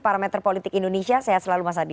parameter politik indonesia sehat selalu mas adi